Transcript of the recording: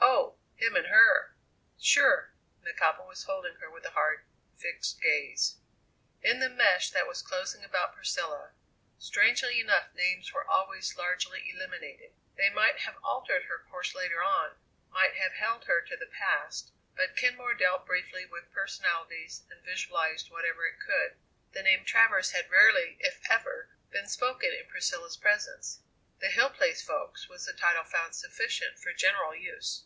"Oh, him and her!" "Sure!" McAlpin was holding her with a hard, fixed gaze. In the mesh that was closing about Priscilla, strangely enough names were always largely eliminated. They might have altered her course later on, might have held her to the past, but Kenmore dealt briefly with personalities and visualized whatever it could. The name Travers had rarely, if ever, been spoken in Priscilla's presence. "The Hill Place folks" was the title found sufficient for general use.